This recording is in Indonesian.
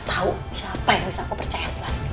tahu siapa yang bisa aku percaya